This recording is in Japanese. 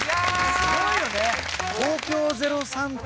すごいよね。